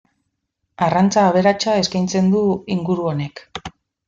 Arrantza aberatsa eskaintzen du inguru honek.